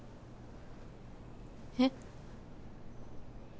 えっ？